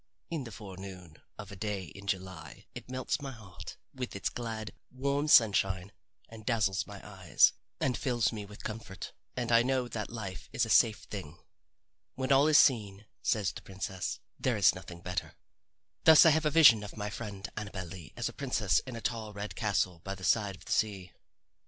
In the forenoon of a day in July it melts my heart with its glad, warm sunshine and dazzles my eyes and fills me with comfort and I know that life is a safe thing. When all is seen, says the princess, there is nothing better. Thus I have a vision of my friend Annabel Lee as a princess in a tall, red castle by the side of the sea.